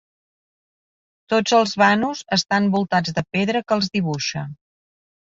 Tots els vanos estan voltats de pedra que els dibuixa.